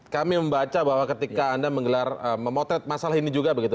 kami membaca bahwa ketika anda menggelar memotret masalah ini juga begitu